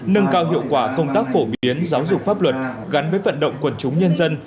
nâng cao hiệu quả công tác phổ biến giáo dục pháp luật gắn với vận động quần chúng nhân dân